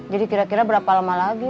jadi kira kira berapa lama lagi